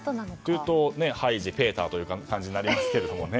ハイジ、ペーターという感じになりますかね。